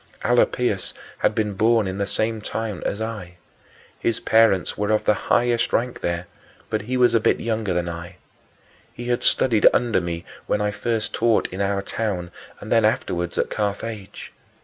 Alypius had been born in the same town as I; his parents were of the highest rank there, but he was a bit younger than I. He had studied under me when I first taught in our town, and then afterward at Carthage.